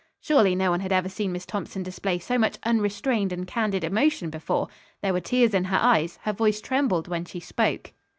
Surely no one had ever seen Miss Thompson display so much unrestrained and candid emotion before. There were tears in her eyes, her voice trembled when she spoke.